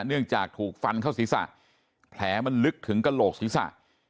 เนื่องจากถูกฟันเข้าศีรษะแผลมันลึกถึงกระโหลกศีรษะ